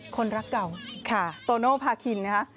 คนรักเก่าค่ะโตโนภาคินนะคะ